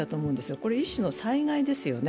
これ、一種の災害ですよね。